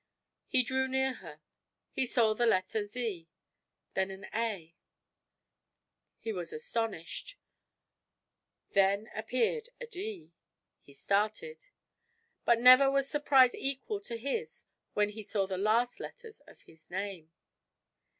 He drew near; he saw the letter Z, then an A; he was astonished; then appeared a D; he started. But never was surprise equal to his when he saw the last letters of his name.